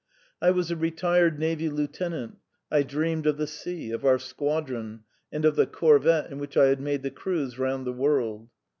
I was a retired navy lieutenant; I dreamed of the sea, of our squadron, and of the corvette in which I had made the cruise round the world.